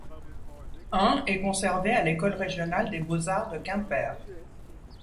Un est conservé à l'École régionale des beaux-arts de Quimper.